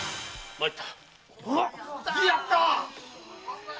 参った。